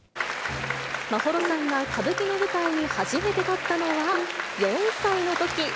眞秀さんが歌舞伎の舞台に初めて立ったのは、４歳のとき。